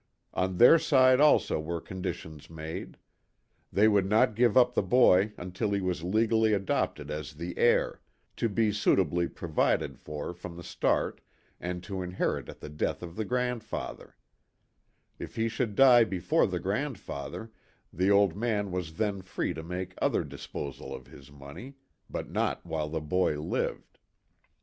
On their side also were conditions made. They would not give up the boy until he was legally adopted as the heir, to be suitably pro vided for from the start, and to inherit at the death of the grandfather, If he should die before the grandfather the old man was then free to make other disposal of his money but not while the boy lived.